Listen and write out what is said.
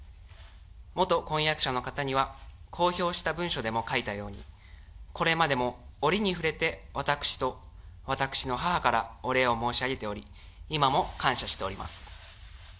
元婚約者の方には、公表した文書でも書いたように、これまでも折に触れて、私と私の母からお礼を申し上げており、今も感謝しております。